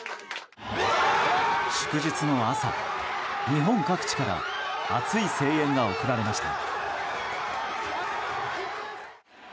祝日の朝、日本各地から熱い声援が送られました。